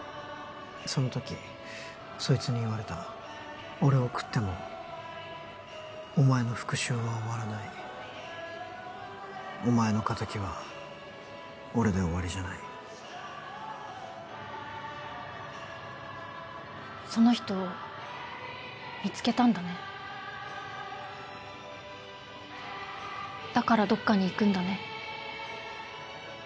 その時そいつに言われた俺を喰ってもお前の復讐は終わらないお前の仇は俺で終わりじゃないその人を見つけたんだねだからどっかに行くんだね